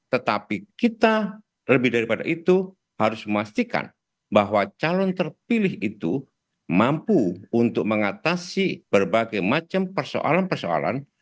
tetapi kita lebih daripada itu harus memastikan bahwa calon terpilih itu mampu untuk mengatasi berbagai macam persoalan persoalan